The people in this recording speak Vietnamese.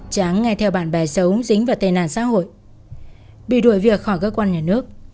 tráng nghe theo bạn bè xấu dính vào tên nạn xã hội bị đuổi việc khỏi cơ quan nhà nước